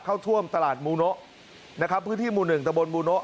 เข้าท่วมตลาดมูนกพื้นที่หมู่หนึ่งดบมูนก